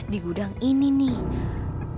di gudang ini nih